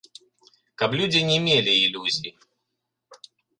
Каб людзі не мелі ілюзій.